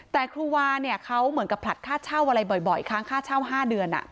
แต่ครูวาเนี่ยเขาเหมือนกับผลัดค่าเช่าอะไรบ่อยครั้งค่าเช่า๕เดือน